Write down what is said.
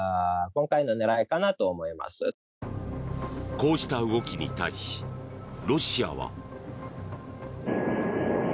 こうした動きに対しロシアは。